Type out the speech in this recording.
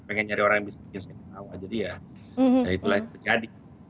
pengen nyari orang yang bisa bikin saya ketawa jadi ya itulah yang terjadi